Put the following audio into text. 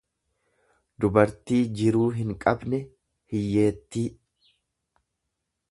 dubartii jiruu hinqabne hiyyeettii.